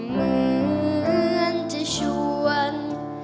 เหมือนจะชวน